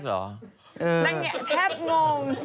นั่นแหละแทบงง